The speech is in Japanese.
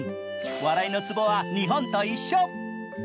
笑いのツボは日本と一緒。